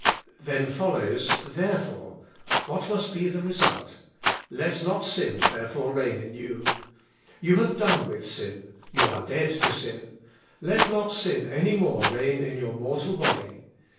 Then follows, *' Therefore," what must be the result, ''Let not sin therefore reign in you." You have done with sin, you are dead to sin; let not sin any more reign in your mortal body.